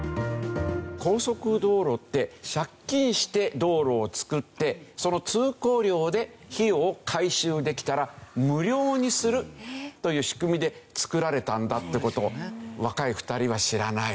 高速道路って借金して道路を造ってその通行料で費用を回収できたら無料にするという仕組みで造られたんだって事を若い２人は知らない？